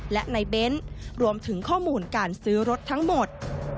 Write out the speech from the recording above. และในเบ้นรวมถึงข้อมูลการซื้อรถทั้งหมด